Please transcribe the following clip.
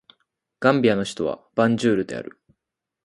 ガンビアの首都はバンジュールである